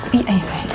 di aisah aja